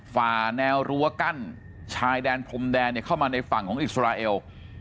ฝ่าแนวรั้วกั้นชายแดนพรมแดนเข้ามาในฝั่งของอิสราเอล